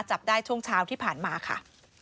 จับได้ช่วงเช้าที่ผ่านมาค่ะ